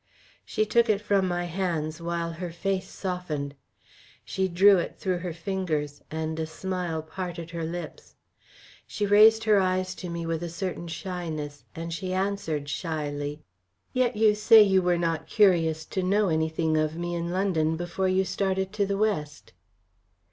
She took it from my hands, while her face softened. She drew it through her fingers, and a smile parted her lips. She raised her eyes to me with a certain shyness, and she answered shyly: "Yet you say you were not curious to know anything of me in London before you started to the West."